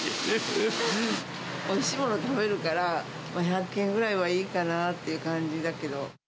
おいしいもの食べるから、１００円ぐらいはいいかなって感じだけど。